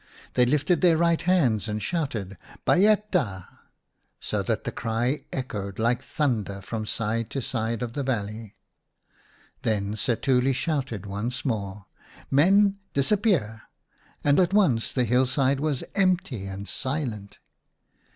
They lifted their right hands and shouted " Bayeta !" so that the cry echoed like thunder from side to side of the valley. Then Setuli shouted once more, " Men, dis appear !" and at once the hillside was empty and silent.